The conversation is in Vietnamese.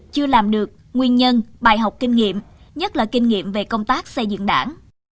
chưa làm được nguyên nhân bài học kinh nghiệm nhất là kinh nghiệm về công tác xây dựng đảng